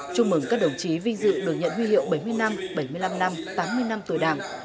chúc mừng các đồng chí vinh dự được nhận huy hiệu bảy mươi năm bảy mươi năm năm tám mươi năm tuổi đảng